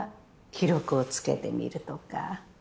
記録をつけてみるとか。